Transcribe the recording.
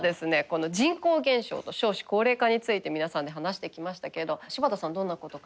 この人口減少と少子高齢化について皆さんで話してきましたけど柴田さんどんなこと感じましたか？